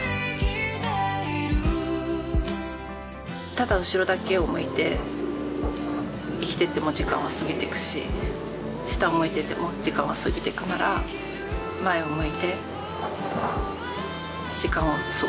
ただ後ろだけを向いて生きてっても時間は過ぎてくし下を向いてても時間は過ぎてくなら前を向いて時間を過ごしていきたいなと思ってます。